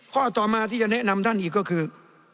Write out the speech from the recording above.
ข้อต่อมาที่จะแนะนำท่านอีกก็คือ